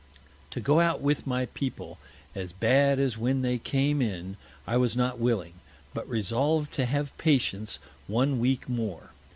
To go out with my People as bad as when they came in, I was not willing, but resolv'd to have Patience one Week more.